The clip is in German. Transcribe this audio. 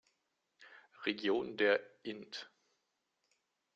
Region der int.